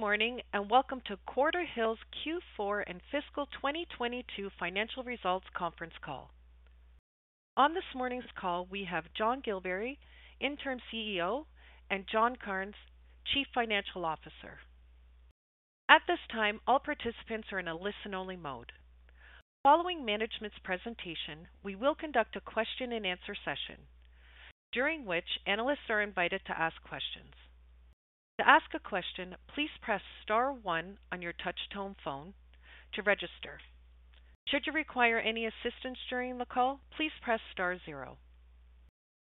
Good morning. Welcome to Quarterhill's Q4 and fiscal 2022 financial results conference call. On this morning's call, we have John Gilberry, Interim CEO, and John Karnes, Chief Financial Officer. At this time, all participants are in a listen-only mode. Following management's presentation, we will conduct a question and answer session, during which analysts are invited to ask questions. To ask a question, please press star one on your touch-tone phone to register. Should you require any assistance during the call, please press star zero.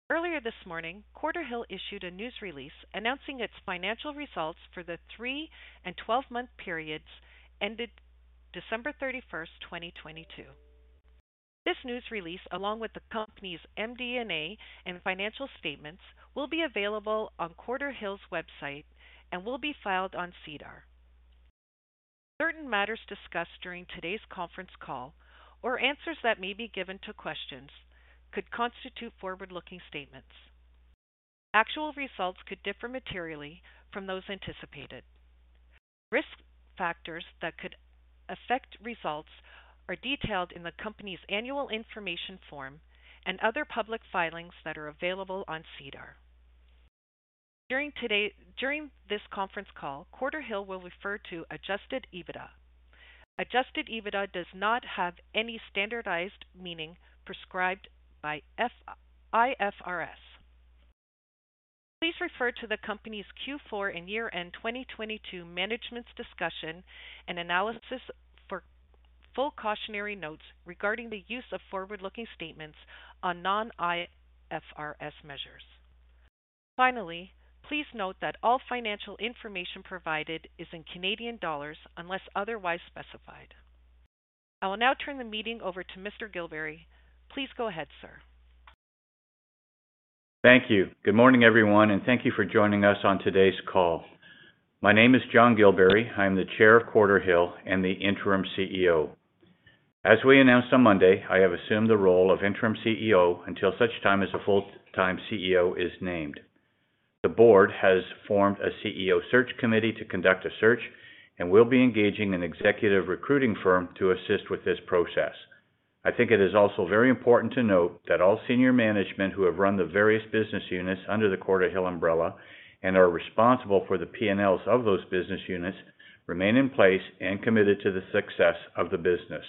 Earlier this morning, Quarterhill issued a news release announcing its financial results for the three and 12-month periods ended December 31st, 2022. This news release, along with the company's MD&A and financial statements, will be available on Quarterhill's website and will be filed on SEDAR. Certain matters discussed during today's conference call or answers that may be given to questions could constitute forward-looking statements. Actual results could differ materially from those anticipated. Risk factors that could affect results are detailed in the company's annual information form and other public filings that are available on SEDAR. During this conference call, Quarterhill will refer to adjusted EBITDA. Adjusted EBITDA does not have any standardized meaning prescribed by IFRS. Please refer to the company's Q4 and year-end 2022 management's discussion and analysis for full cautionary notes regarding the use of forward-looking statements on non-IFRS measures. Finally, please note that all financial information provided is in Canadian dollars unless otherwise specified. I will now turn the meeting over to Mr. Gillberry. Please go ahead, sir. Thank you. Good morning, everyone, and thank you for joining us on today's call. My name is John Gilberry. I am the Chair of Quarterhill and the interim CEO. As we announced on Monday, I have assumed the role of interim CEO until such time as a full-time CEO is named. The board has formed a CEO search committee to conduct a search and will be engaging an executive recruiting firm to assist with this process. I think it is also very important to note that all senior management who have run the various business units under the Quarterhill umbrella and are responsible for the P&Ls of those business units remain in place and committed to the success of the business.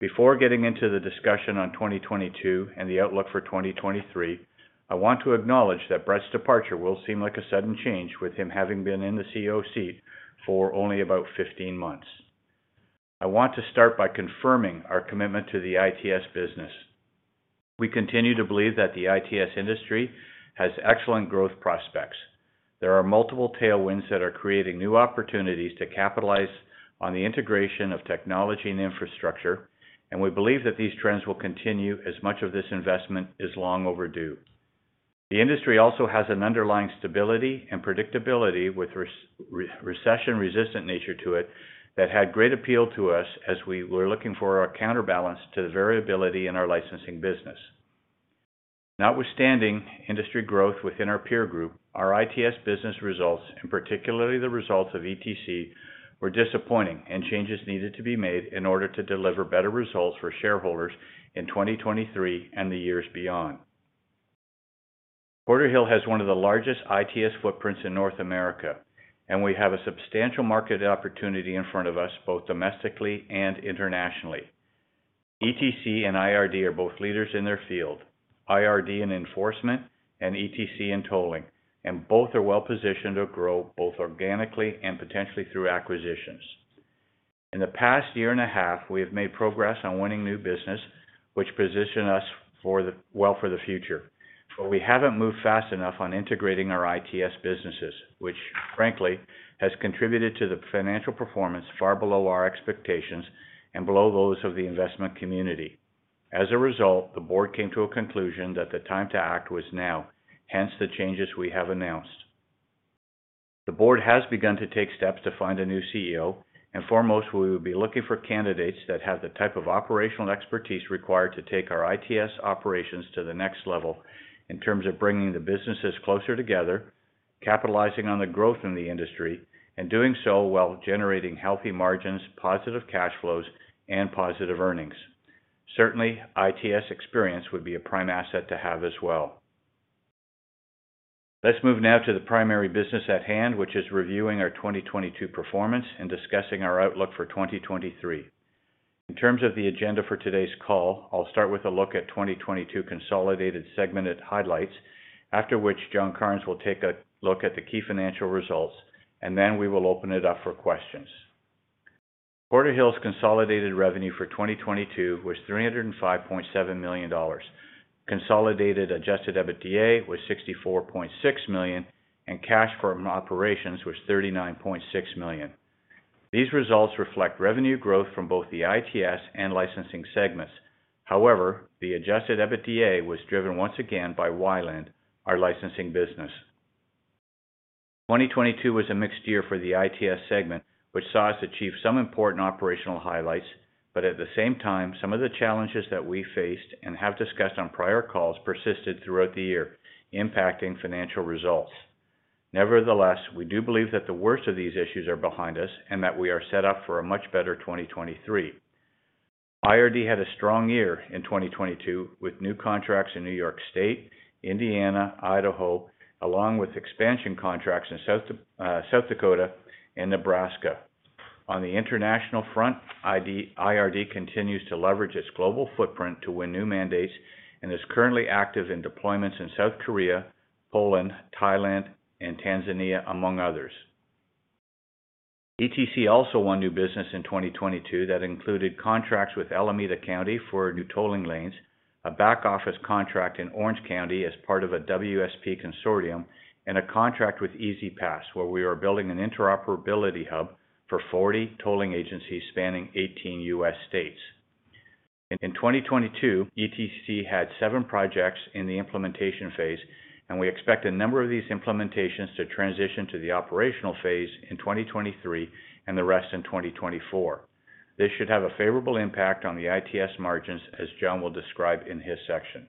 Before getting into the discussion on 2022 and the outlook for 2023, I want to acknowledge that Brett's departure will seem like a sudden change with him having been in the CEO seat for only about 15 months. I want to start by confirming our commitment to the ITS business. We continue to believe that the ITS industry has excellent growth prospects. There are multiple tailwinds that are creating new opportunities to capitalize on the integration of technology and infrastructure, and we believe that these trends will continue as much of this investment is long overdue. The industry also has an underlying stability and predictability with recession-resistant nature to it that had great appeal to us as we were looking for a counterbalance to the variability in our licensing business. Notwithstanding industry growth within our peer group, our ITS business results, and particularly the results of ETC, were disappointing and changes needed to be made in order to deliver better results for shareholders in 2023 and the years beyond. Quarterhill has one of the largest ITS footprints in North America, and we have a substantial market opportunity in front of us, both domestically and internationally. ETC and IRD are both leaders in their field, IRD in enforcement and ETC in tolling, and both are well positioned to grow both organically and potentially through acquisitions. In the past year and a half, we have made progress on winning new business which position us well for the future. We haven't moved fast enough on integrating our ITS businesses, which frankly has contributed to the financial performance far below our expectations and below those of the investment community. As a result, the board came to a conclusion that the time to act was now, hence the changes we have announced. The board has begun to take steps to find a new CEO, and foremost, we will be looking for candidates that have the type of operational expertise required to take our ITS operations to the next level in terms of bringing the businesses closer together, capitalizing on the growth in the industry and doing so while generating healthy margins, positive cash flows and positive earnings. Certainly, ITS experience would be a prime asset to have as well. Let's move now to the primary business at hand, which is reviewing our 2022 performance and discussing our outlook for 2023. In terms of the agenda for today's call, I'll start with a look at 2022 consolidated segmented highlights, after which John Karnes will take a look at the key financial results, and then we will open it up for questions. Quarterhill's consolidated revenue for 2022 was $305.7 million. Consolidated adjusted EBITDA was 64.6 million, and cash from operations was 39.6 million. These results reflect revenue growth from both the ITS and licensing segments. However, the adjusted EBITDA was driven once again by WiLAN, our licensing business. 2022 was a mixed year for the ITS segment, which saw us achieve some important operational highlights. But at the same time, some of the challenges that we faced and have discussed on prior calls persisted throughout the year, impacting financial results. We do believe that the worst of these issues are behind us and that we are set up for a much better 2023. IRD had a strong year in 2022, with new contracts in New York State, Indiana, Idaho, along with expansion contracts in South Dakota and Nebraska. On the international front, IRD continues to leverage its global footprint to win new mandates and is currently active in deployments in South Korea, Poland, Thailand, and Tanzania, among others. ETC also won new business in 2022 that included contracts with Alameda County for new tolling lanes, a back-office contract in Orange County as part of a WSP consortium, and a contract with E-ZPass, where we are building an interoperability hub for 40 tolling agencies spanning 18 U.S. states. In 2022, ETC had seven projects in the implementation phase, and we expect a number of these implementations to transition to the operational phase in 2023 and the rest in 2024. This should have a favorable impact on the ITS margins, as John will describe in his section.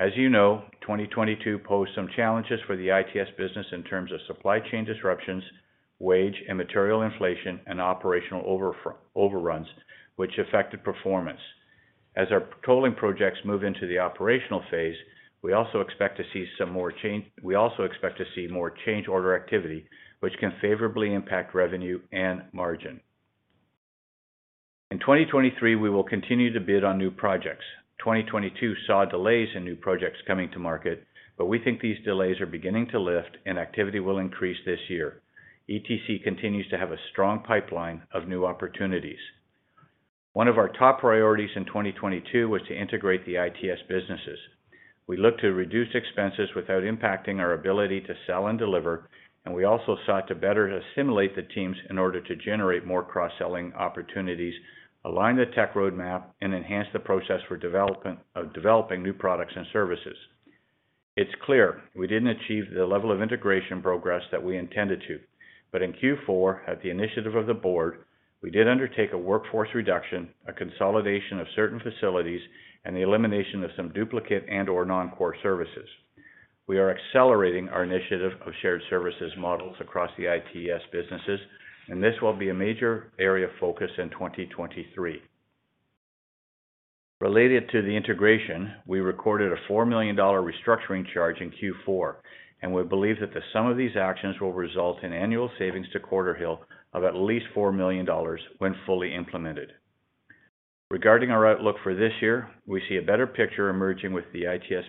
As you know, 2022 posed some challenges for the ITS business in terms of supply chain disruptions, wage and material inflation, and operational overruns, which affected performance. As our tolling projects move into the operational phase, we also expect to see more change order activity, which can favorably impact revenue and margin. In 2023, we will continue to bid on new projects. 2022 saw delays in new projects coming to market, but we think these delays are beginning to lift and activity will increase this year. ETC continues to have a strong pipeline of new opportunities. One of our top priorities in 2022 was to integrate the ITS businesses. We looked to reduce expenses without impacting our ability to sell and deliver, and we also sought to better assimilate the teams in order to generate more cross-selling opportunities, align the tech roadmap, and enhance the process for developing new products and services. It's clear we didn't achieve the level of integration progress that we intended to. In Q4, at the initiative of the Board, we did undertake a workforce reduction, a consolidation of certain facilities, and the elimination of some duplicate and/or non-core services. We are accelerating our initiative of shared services models across the ITS businesses, and this will be a major area of focus in 2023. Related to the integration, we recorded a $4 million restructuring charge in Q4. We believe that the sum of these actions will result in annual savings to Quarterhill of at least $4 million when fully implemented. Regarding our outlook for this year, we see a better picture emerging with the ITS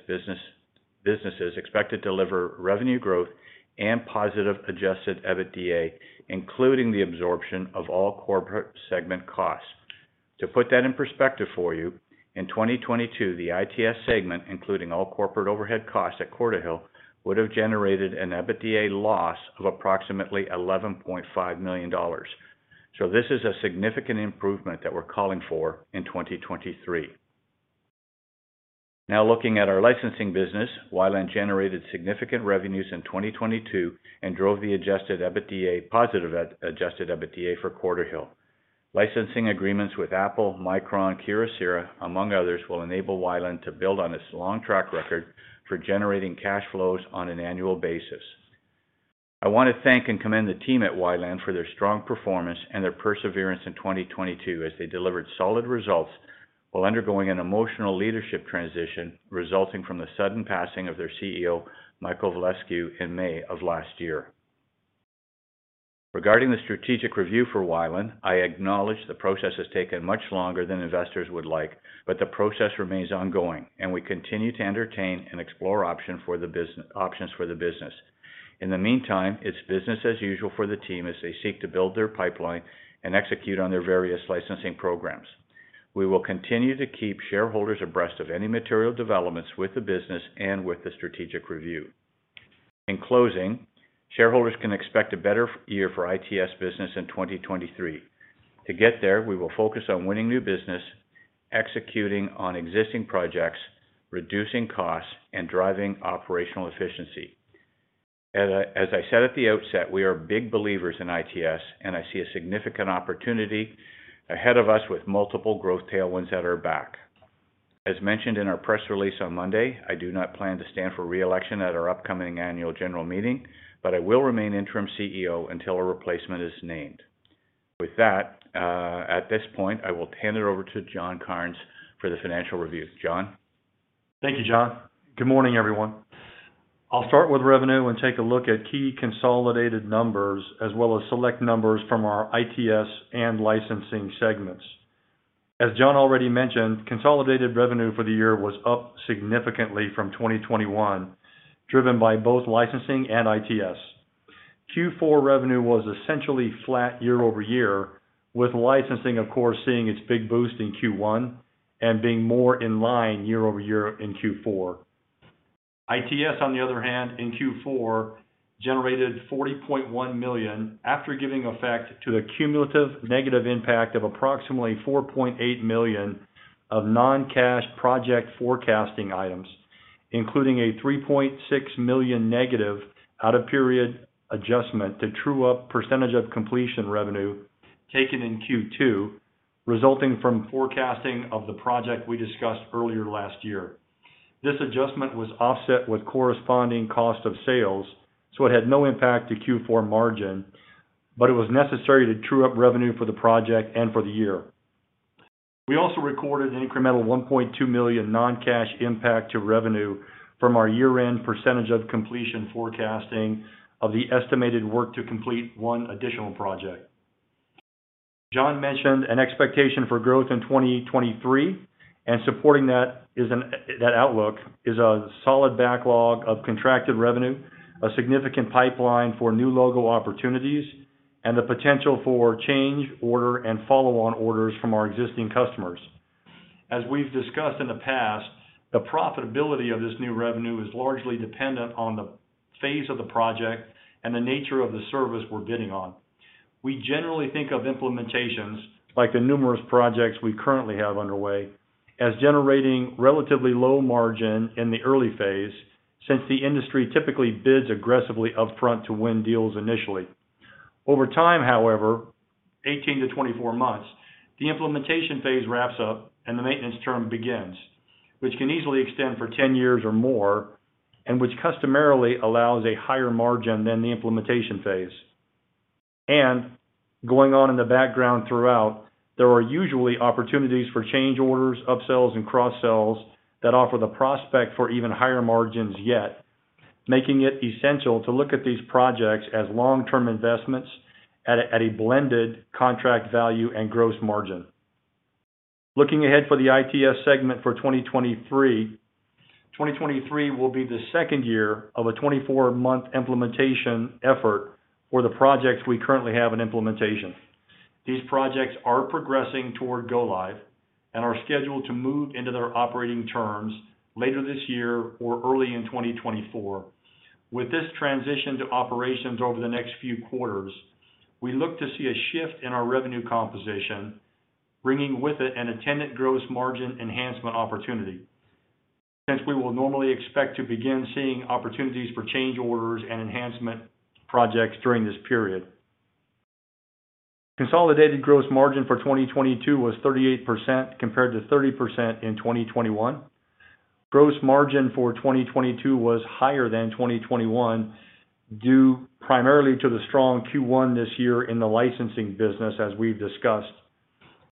businesses expected to deliver revenue growth and positive adjusted EBITDA, including the absorption of all corporate segment costs. To put that in perspective for you, in 2022, the ITS segment, including all corporate overhead costs at Quarterhill, would have generated an EBITDA loss of approximately $11.5 million. This is a significant improvement that we're calling for in 2023. Now looking at our licensing business, WiLAN generated significant revenues in 2022 and drove the positive adjusted EBITDA for Quarterhill. Licensing agreements with Apple, Micron, Kyocera, among others, will enable WiLAN to build on its long track record for generating cash flows on an annual basis. I want to thank and commend the team at WiLAN for their strong performance and their perseverance in 2022 as they delivered solid results while undergoing an emotional leadership transition resulting from the sudden passing of their CEO, Michael Vladescu, in May of last year. Regarding the strategic review for WiLAN, I acknowledge the process has taken much longer than investors would like, but the process remains ongoing, and we continue to entertain and explore options for the business. In the meantime, it's business as usual for the team as they seek to build their pipeline and execute on their various licensing programs. We will continue to keep shareholders abreast of any material developments with the business and with the strategic review. In closing, shareholders can expect a better year for ITS business in 2023. To get there, we will focus on winning new business, executing on existing projects, reducing costs, and driving operational efficiency. As I said at the outset, we are big believers in ITS, and I see a significant opportunity ahead of us with multiple growth tailwinds at our back. As mentioned in our press release on Monday, I do not plan to stand for re-election at our upcoming annual general meeting, but I will remain interim CEO until a replacement is named. With that, at this point, I will hand it over to John Karnes for the financial review. John? Thank you, John. Good morning, everyone. I'll start with revenue and take a look at key consolidated numbers as well as select numbers from our ITS and licensing segments. As John already mentioned, consolidated revenue for the year was up significantly from 2021, driven by both licensing and ITS. Q4 revenue was essentially flat year-over-year, with licensing, of course, seeing its big boost in Q1 and being more in line year-over-year in Q4. ITS, on the other hand, in Q4, generated 40.1 million after giving effect to the cumulative negative impact of approximately 4.8 million of non-cash project forecasting items. Including a 3.6 million negative out of period adjustment to true up percentage of completion revenue taken in Q2, resulting from forecasting of the project we discussed earlier last year. This adjustment was offset with corresponding cost of sales, so it had no impact to Q4 margin, but it was necessary to true up revenue for the project and for the year. We also recorded an incremental 1.2 million non-cash impact to revenue from our year-end percentage of completion forecasting of the estimated work to complete one additional project. John mentioned an expectation for growth in 2023, and supporting that outlook is a solid backlog of contracted revenue, a significant pipeline for new logo opportunities, and the potential for change, order, and follow-on orders from our existing customers. As we've discussed in the past, the profitability of this new revenue is largely dependent on the phase of the project and the nature of the service we're bidding on. We generally think of implementations, like the numerous projects we currently have underway, as generating relatively low margin in the early phase, since the industry typically bids aggressively upfront to win deals initially. Over time, however, 18-24 months, the implementation phase wraps up, the maintenance term begins, which can easily extend for 10 years or more, and which customarily allows a higher margin than the implementation phase. Going on in the background throughout, there are usually opportunities for change orders, upsells, and cross-sells that offer the prospect for even higher margins yet, making it essential to look at these projects as long-term investments at a blended contract value and gross margin. Looking ahead for the ITS segment for 2023 will be the second year of a 24-month implementation effort for the projects we currently have in implementation. These projects are progressing toward go live and are scheduled to move into their operating terms later this year or early in 2024. With this transition to operations over the next few quarters, we look to see a shift in our revenue composition, bringing with it an attendant gross margin enhancement opportunity. Since we will normally expect to begin seeing opportunities for change orders and enhancement projects during this period. Consolidated gross margin for 2022 was 38%, compared to 30% in 2021. Gross margin for 2022 was higher than 2021, due primarily to the strong Q1 this year in the licensing business, as we've discussed.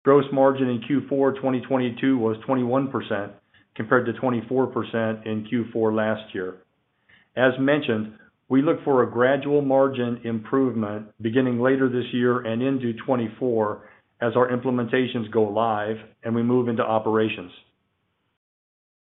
Gross margin in Q4, 2022 was 21%, compared to 24% in Q4 last year. As mentioned, we look for a gradual margin improvement beginning later this year and into 2024 as our implementations go live and we move into operations.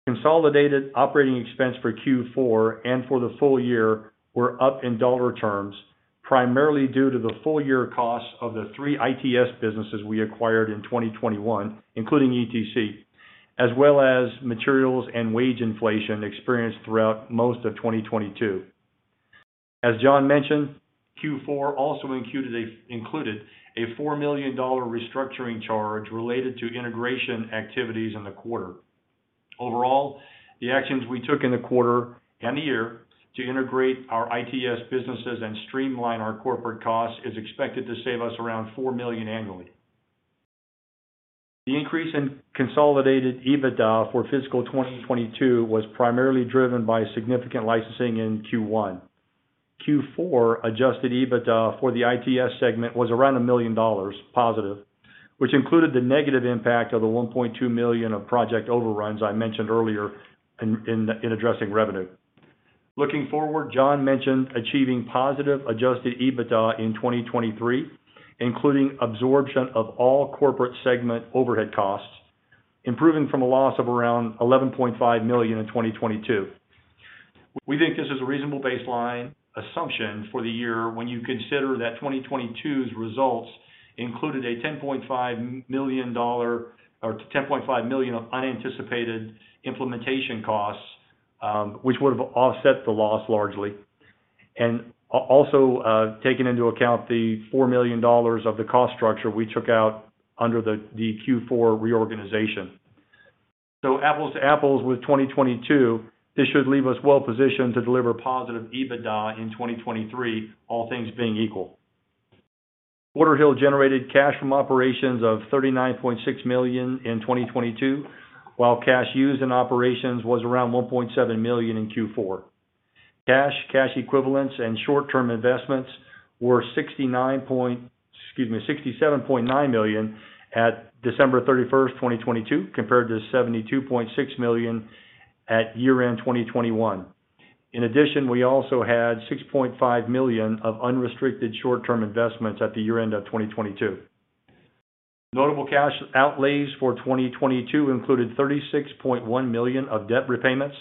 Consolidated operating expense for Q4 and for the full year were up in dollar terms, primarily due to the full year costs of the three ITS businesses we acquired in 2021, including ETC, as well as materials and wage inflation experienced throughout most of 2022. As John mentioned, Q4 also included a 4 million dollar restructuring charge related to integration activities in the quarter. Overall, the actions we took in the quarter and the year to integrate our ITS businesses and streamline our corporate costs is expected to save us around 4 million annually. The increase in consolidated EBITDA for fiscal 2022 was primarily driven by significant licensing in Q1. Q4 adjusted EBITDA for the ITS segment was around 1 million dollars positive, which included the negative impact of the 1.2 million of project overruns I mentioned earlier in addressing revenue. Looking forward, John mentioned achieving positive adjusted EBITDA in 2023, including absorption of all corporate segment overhead costs, improving from a loss of around 11.5 million in 2022. We think this is a reasonable baseline assumption for the year when you consider that 2022's results included 10.5 million of unanticipated implementation costs, which would have offset the loss largely. Also, taking into account the 4 million of the cost structure we took out under the Q4 reorganization. Apples to apples with 2022, this should leave us well positioned to deliver positive EBITDA in 2023, all things being equal. Quarterhill generated cash from operations of 39.6 million in 2022, while cash used in operations was around 1.7 million in Q4. Cash, cash equivalents, and short-term investments were 67.9 million at December thirty-first, 2022, compared to 72.6 million at year-end 2021. In addition, we also had 6.5 million of unrestricted short-term investments at the year-end of 2022. Notable cash outlays for 2022 included 36.1 million of debt repayments,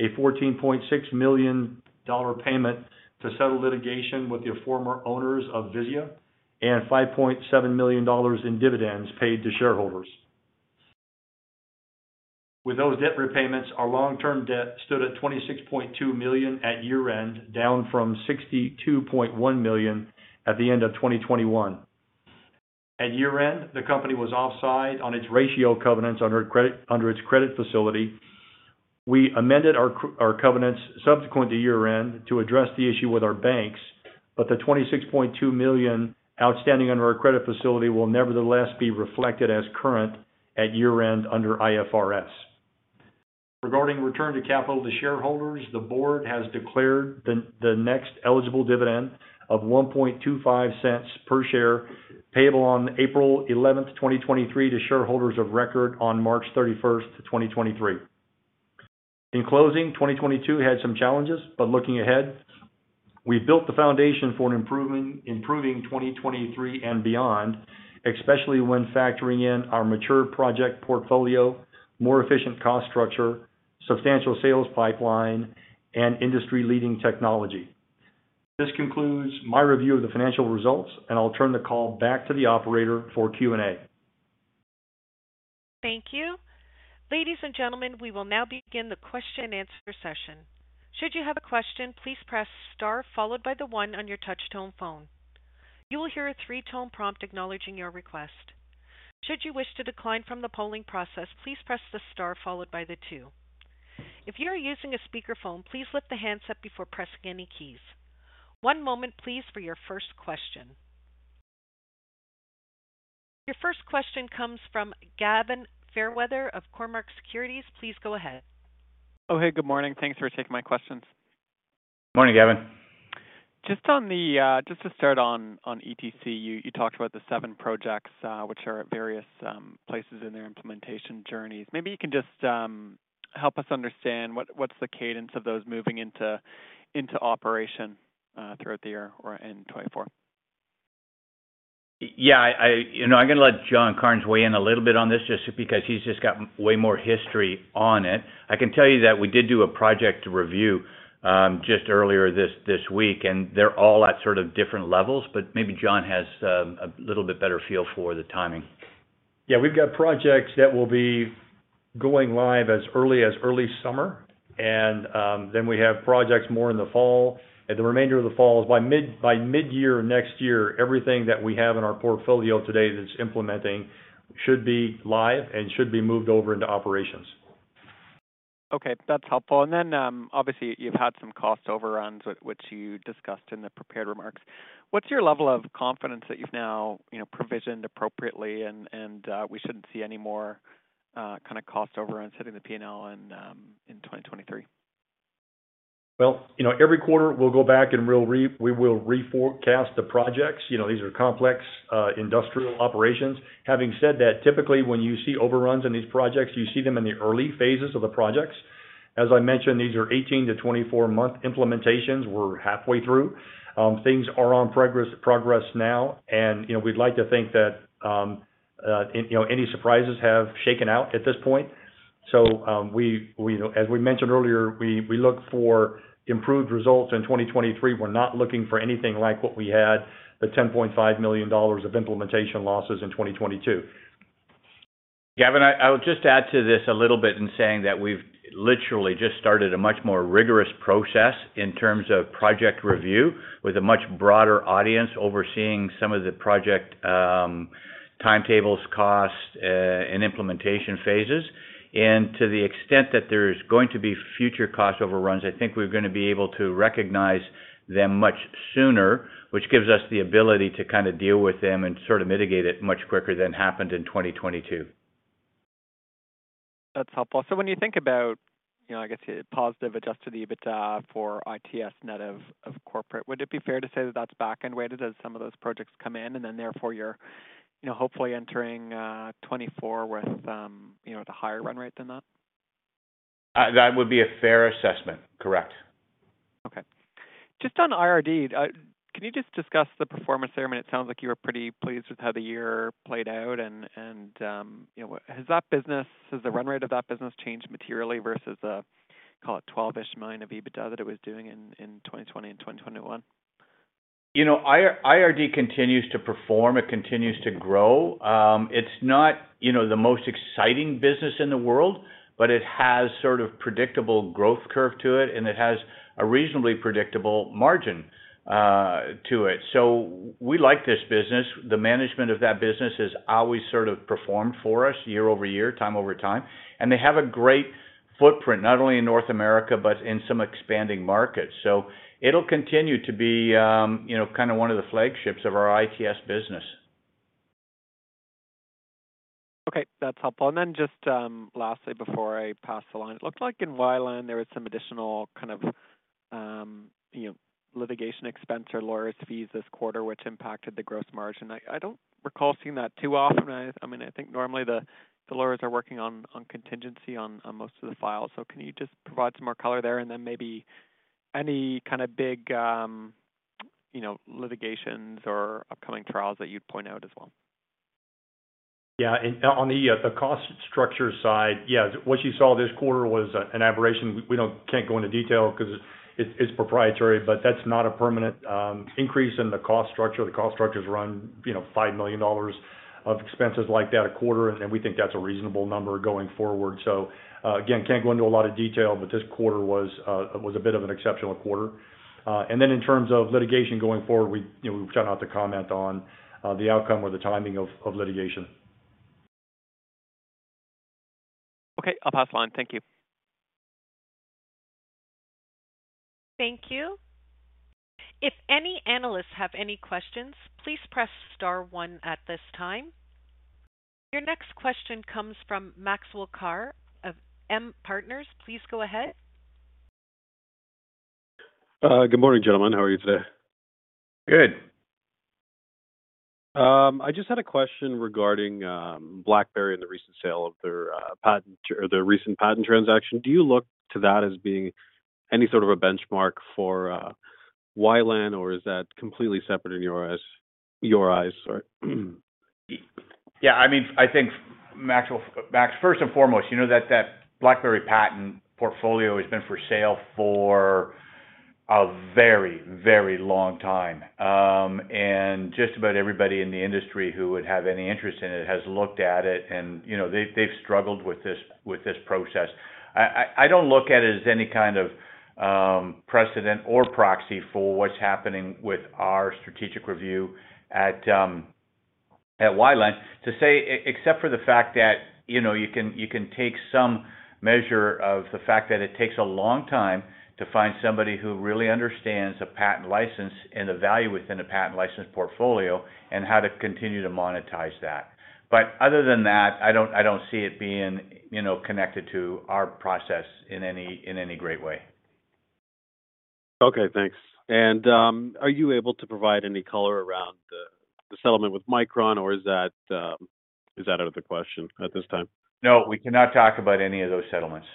a$14.6 million payment to settle litigation with the former owners of Viziya, and $5.7 million in dividends paid to shareholders. With those debt repayments, our long-term debt stood at 26.2 million at year-end, down from 62.1 million at the end of 2021. At year-end, the company was offside on its ratio covenants under its credit facility. The 26.2 million outstanding under our credit facility will nevertheless be reflected as current at year-end under IFRS. Regarding return to capital to shareholders, the board has declared the next eligible dividend of 0.0125 per share payable on April 11, 2023 to shareholders of record on March 31, 2023. In closing, 2022 had some challenges. Looking ahead, we've built the foundation for an improving 2023 and beyond, especially when factoring in our mature project portfolio, more efficient cost structure, substantial sales pipeline, and industry-leading technology. This concludes my review of the financial results. I'll turn the call back to the operator for Q&A. Thank you. Ladies and gentlemen, we will now begin the question and answer session. Should you have a question, please press star followed by the one on your touch tone phone. You will hear a three-tone prompt acknowledging your request. Should you wish to decline from the polling process, please press the star followed by the two. If you are using a speakerphone, please lift the handset before pressing any keys. One moment please for your first question. Your first question comes from Gavin Fairweather of Cormark Securities. Please go ahead. Oh, hey, good morning. Thanks for taking my questions. Morning, Gavin. Just to start on ETC. You talked about the seven projects, which are at various places in their implementation journeys. Maybe you can just help us understand what's the cadence of those moving into operation throughout the year or in 2024? Yeah, I you know, I'm going to let John Karnes weigh in a little bit on this just because he's just got way more history on it. I can tell you that we did do a project review just earlier this week, and they're all at sort of different levels, but maybe John has a little bit better feel for the timing. Yeah. We've got projects that will be going live as early as early summer. We have projects more in the fall. At the remainder of the fall, by mid-year next year, everything that we have in our portfolio today that's implementing should be live and should be moved over into operations. Okay. That's helpful. Obviously you've had some cost overruns which you discussed in the prepared remarks. What's your level of confidence that you've now, you know, provisioned appropriately and, we shouldn't see any more, kind of cost overruns hitting the P&L in 2023? You know, every quarter we'll go back and we will reforecast the projects. You know, these are complex industrial operations. Having said that, typically, when you see overruns in these projects, you see them in the early phases of the projects. As I mentioned, these are 18-24-month implementations. We're halfway through. Things are on progress now, you know, we'd like to think that, you know, any surprises have shaken out at this point. As we mentioned earlier, we look for improved results in 2023. We're not looking for anything like what we had, the $10.5 million of implementation losses in 2022. Gavin, I would just add to this a little bit in saying that we've literally just started a much more rigorous process in terms of project review with a much broader audience overseeing some of the project, timetables, costs, and implementation phases. To the extent that there's going to be future cost overruns, I think we're going to be able to recognize them much sooner, which gives us the ability to kind of deal with them and sort of mitigate it much quicker than happened in 2022. That's helpful. When you think about, you know, I guess the positive adjusted EBITDA for ITS net of corporate, would it be fair to say that that's back-end weighted as some of those projects come in, and then therefore you're, you know, hopefully entering 2024 with, you know, the higher run rate than that? That would be a fair assessment. Correct. Okay. Just on IRD, can you just discuss the performance there? I mean, it sounds like you were pretty pleased with how the year played out and, you know, has the run rate of that business changed materially versus, call it 12 million of EBITDA that it was doing in 2020 and 2021? You know, IRD continues to perform. It continues to grow. It's not, you know, the most exciting business in the world, but it has sort of predictable growth curve to it, and it has a reasonably predictable margin to it. We like this business. The management of that business has always sort of performed for us year-over-year, time over time. They have a great footprint, not only in North America, but in some expanding markets. It'll continue to be, you know, kind of one of the flagships of our ITS business. Okay, that's helpful. Just, lastly, before I pass along. It looked like in VDS there was some additional kind of, you know, litigation expense or lawyers' fees this quarter, which impacted the gross margin. I mean, I think normally the lawyers are working on contingency on most of the files. Can you just provide some more color there and then maybe any kind of big, you know, litigations or upcoming trials that you'd point out as well? Yeah. On the cost structure side, yeah, what you saw this quarter was an aberration. We can't go into detail 'cause it's proprietary, but that's not a permanent increase in the cost structure. The cost structures run, you know, $5 million of expenses like that a quarter, we think that's a reasonable number going forward. Again, can't go into a lot of detail, but this quarter was a bit of an exceptional quarter. In terms of litigation going forward, we, you know, we've tried not to comment on the outcome or the timing of litigation. Okay, I'll pass the line. Thank you. Thank you. If any analysts have any questions, please press star one at this time. Your next question comes from Maxwell Carr of M Partners. Please go ahead. Good morning, gentlemen, how are you today? Good. I just had a question regarding BlackBerry and the recent sale of their patent or their recent patent transaction. Do you look to that as being any sort of a benchmark for WiLAN, or is that completely separate in your eyes? Sorry. I mean, I think Maxwell Max, first and foremost, you know that BlackBerry patent portfolio has been for sale for a very, very long time. Just about everybody in the industry who would have any interest in it has looked at it and, you know, they've struggled with this process. I don't look at it as any kind of precedent or proxy for what's happening with our strategic review at WiLAN. To say, except for the fact that, you know, you can take some measure of the fact that it takes a long time to find somebody who really understands a patent license and the value within a patent license portfolio and how to continue to monetize that. Other than that, I don't, I don't see it being, you know, connected to our process in any, in any great way. Okay, thanks. Are you able to provide any color around the settlement with Micron or is that, is that out of the question at this time? No, we cannot talk about any of those settlements.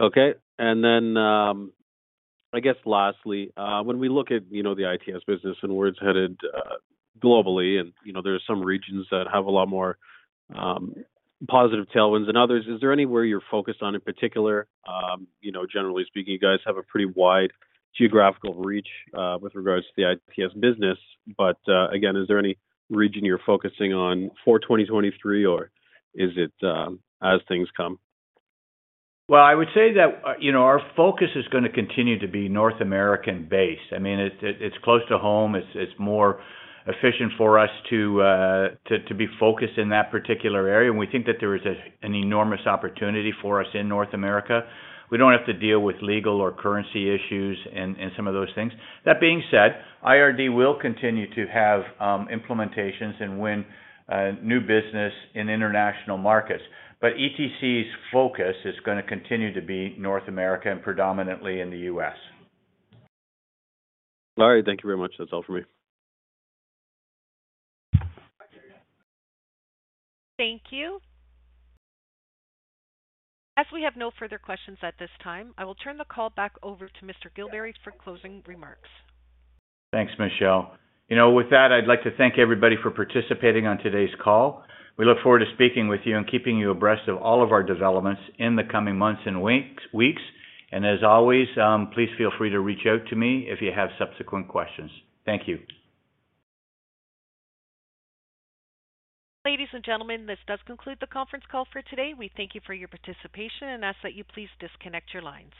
Okay. I guess lastly, when we look at, you know, the ITS business and where it's headed, globally, and, you know, there are some regions that have a lot more positive tailwinds than others. Is there any where you're focused on in particular? You know, generally speaking, you guys have a pretty wide geographical reach with regards to the ITS business. Again, is there any region you're focusing on for 2023, or is it as things come? Well, I would say that, you know, our focus is going to continue to be North American-based. I mean, it's close to home, it's more efficient for us to be focused in that particular area. We think that there is an enormous opportunity for us in North America. We don't have to deal with legal or currency issues and some of those things. That being said, IRD will continue to have implementations and win new business in international markets. ETC's focus is going to continue to be North America and predominantly in the US. All right. Thank you very much. That's all for me. Thank you. As we have no further questions at this time, I will turn the call back over to Mr. Gilberry for closing remarks. Thanks, Michelle. You know, with that, I'd like to thank everybody for participating on today's call. We look forward to speaking with you and keeping you abreast of all of our developments in the coming months and weeks. As always, please feel free to reach out to me if you have subsequent questions. Thank you. Ladies and gentlemen, this does conclude the conference call for today. We thank you for your participation and ask that you please disconnect your lines.